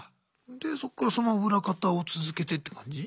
でそっからそのまま裏方を続けてって感じ？